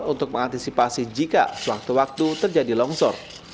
untuk mengantisipasi jika sewaktu waktu terjadi longsor